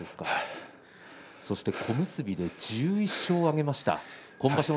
そして小結で１１勝を挙げました。